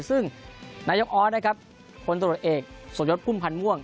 ซึ่งนายกออสนะครับคนตรวจเอกสมยศพุ่มพันธ์ม่วง